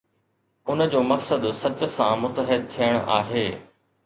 ان جو مقصد سچ سان متحد ٿيڻ آهي.